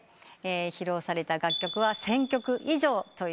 披露された楽曲は１，０００曲以上ということで。